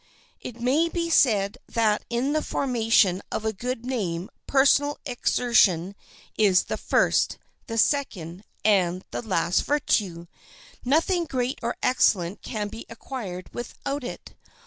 It may be said that in the formation of a good name personal exertion is the first, the second, and the last virtue. Nothing great or excellent can be acquired without it.